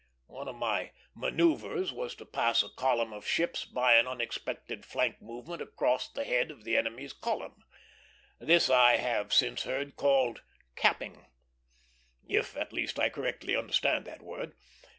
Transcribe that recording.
One of my manoeuvres was to pass a column of ships by an unexpected flank movement across the head of an enemy's column. This I have since heard called "capping;" if, at least, I correctly understand that word.